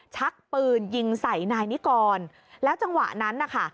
ชักปืนยิงใส่นายนิกรแล้วจังหวะนั้นนะคะ